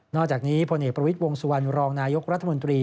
อกจากนี้พลเอกประวิทย์วงสุวรรณรองนายกรัฐมนตรี